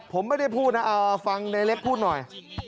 ผมไม่ได้พูดนะเอาฟังในเล็กพูดหน่อย